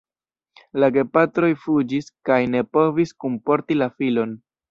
La gepatroj fuĝis kaj ne povis kunporti la filon.